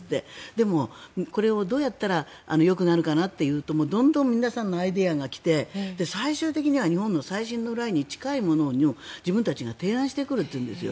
でもこれをどうやったらよくなるかなというとどんどん皆さんのアイデアが来て最終的には日本の最終のラインに近いようなものを自分たちが提案してくるというんです。